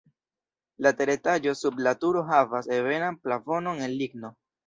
La teretaĝo sub la turo havas ebenan plafonon el ligno.